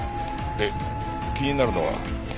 で気になるのは。